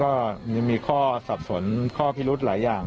ก็ยังมีข้อสับสนข้อพิรุธหลายอย่าง